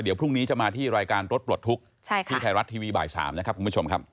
เดี๋ยวพรุ่งนี้จะมาที่รายการรถปลดทุกข์ที่ไทยรัฐทีวีบ่าย๓นะครับคุณผู้ชมครับ